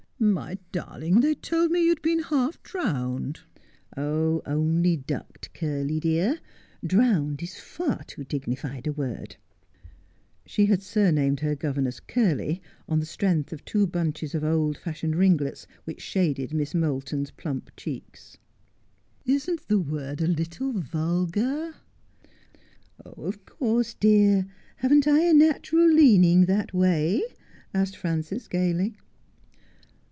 ' My darling, they told me you had been half drowned.' ' Only ducked, Curly, dear ; drowned is far too dignified a word/ She had surnamed her governess Curly on the strength of two bunches of old fashioned ringlets which shaded Miss Moulton's plump cheeks. ' Isn't the word a little vulgar 1 '' Of course, dear. Haven't I a natural leaning that way 1 ' asked Frances gaily.